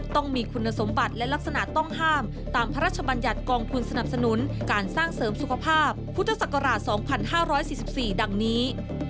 ต้องมีคุณสมบัติและลักษณะต้องห้ามตามพระราชบัญญัติกองทุนสนับสนุนการสร้างเสริมสุขภาพพุทธศักราช๒๕๔๔ดังนี้